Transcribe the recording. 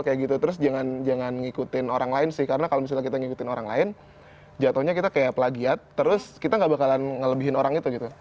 kayak gitu terus jangan ngikutin orang lain sih karena kalau misalnya kita ngikutin orang lain jatuhnya kita kayak pelagiat terus kita gak bakalan ngelebihin orang itu gitu